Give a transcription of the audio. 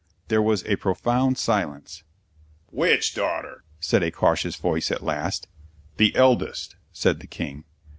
There was a profound silence. ... "Which daughter?" said a cautious voice at last. "The eldest," said the King.